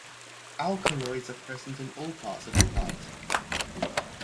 Alkaloids are present in all parts of the plant.